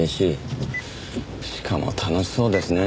しかも楽しそうですね。